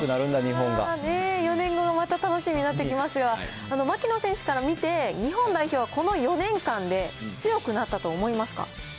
４年後がまた楽しみになってきますが、槙野選手から見て、日本代表、この４年間で強くなったと思いますか？